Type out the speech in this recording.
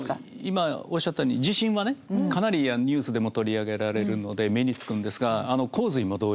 今おっしゃったように地震はねかなりニュースでも取り上げられるので目につくんですが洪水も同様にね。